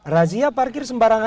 razia parkir sembarangan